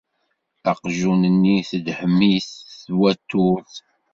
Aqjun-nni tedhem-it twaturt.